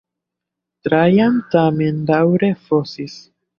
Trajan tamen daŭre fosis.